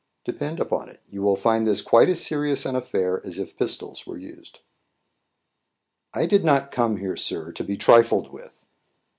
Depend upon it, you will find this quite as serious an affair as if pistols were used." "I did not come here, sir, to be trifled with."